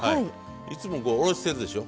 いつもおろしてるでしょ。